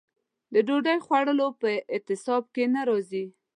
د ډوډۍ خوړلو په اعتصاب کې نه راځي.